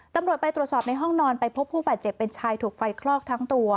ตำรวจไปตรวจสอบในห้องนอนไปพบผู้บาดเจ็บเป็นชายถูกไฟคลอกทั้งตัว